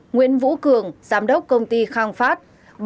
sáu nguyễn vũ cường giám đốc công ty khang phát